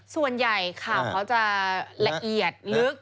ส่วนใหญ่ข่าวเขาจะละเอียดลึก